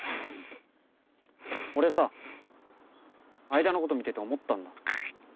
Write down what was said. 俺さ愛田のこと見てて思ったんだ。